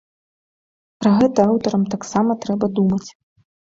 Пра гэта аўтарам таксама трэба думаць.